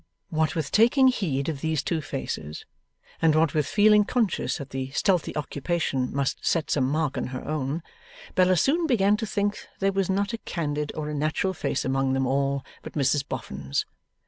What with taking heed of these two faces, and what with feeling conscious that the stealthy occupation must set some mark on her own, Bella soon began to think that there was not a candid or a natural face among them all but Mrs Boffin's.